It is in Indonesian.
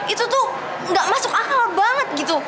itu tuh gak masuk akal banget gitu